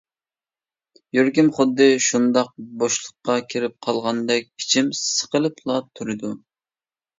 يۈرىكىم خۇددى شۇنداق بوشلۇققا كىرىپ قالغاندەك ئىچىم سىقىلىپلا تۇرىدۇ.